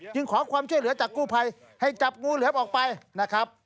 ขอความช่วยเหลือจากกู้ภัยให้จับงูเหลือมออกไปนะครับ